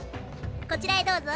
こちらへどうぞ。